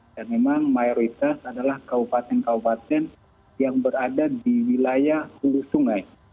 dan memang mayoritas adalah kabupaten kabupaten yang berada di wilayah hulu sungai